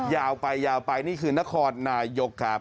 ยาวไปนี่คือนครนายกครับ